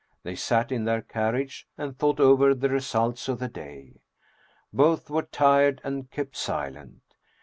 They sat in their carriage and thought over the results of the day. Both were tired and kept silent.